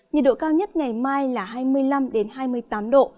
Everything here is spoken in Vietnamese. nhiệt độ cao nhất ngày mai là hai mươi năm hai mươi tám độ